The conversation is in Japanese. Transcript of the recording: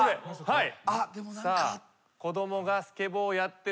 はい。